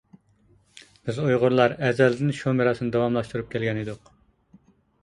بىز ئۇيغۇرلار ئەزەلدىن شۇ مىراسنى داۋاملاشتۇرۇپ كەلگەن ئىدۇق.